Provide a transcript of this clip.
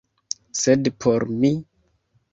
Sed por mi?